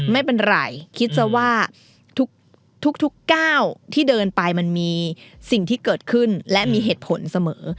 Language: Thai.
ไม่เป็นไรคิดซะว่าทุกก้าวที่เดินไปมันมีสิ่งที่เกิดขึ้นและมีเหตุผลเสมอ